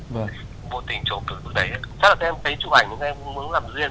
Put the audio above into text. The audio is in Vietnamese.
vô tình trổ cử từ đấy